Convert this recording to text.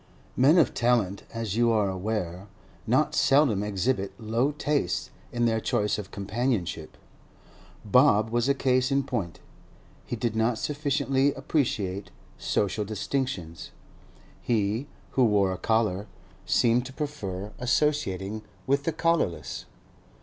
Men of talent, as you are aware, not seldom exhibit low tastes in their choice of companionship. Bob was a case in point; he did not sufficiently appreciate social distinctions. He, who wore a collar, seemed to prefer associating with the collarless.